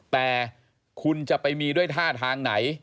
แต่คุณจะไปมีด้วยท่าทางไหน